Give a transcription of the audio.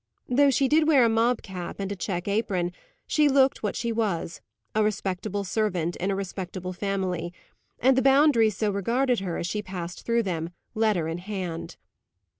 Though she did wear a mob cap and a check apron, she looked what she was a respectable servant in a respectable family; and the Boundaries so regarded her, as she passed through them, letter in hand.